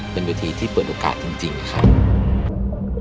เป็นเวทีที่เปิดโอกาสจริงครับ